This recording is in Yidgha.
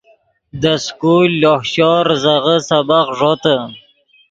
دے سکول لوہ شور ریزغے سبق ݱوتے